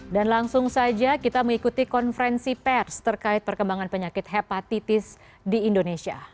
dan langsung saja kita mengikuti konferensi pers terkait perkembangan penyakit hepatitis di indonesia